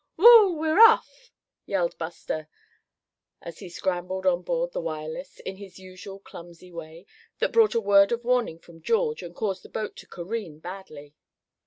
"Whoop! we're off!" yelled Buster, as he scrambled on board the Wireless, in his usual clumsy way, that brought a word of warning from George, and caused the boat to careen badly.